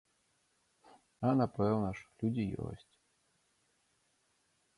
А напэўна ж, людзі ёсць.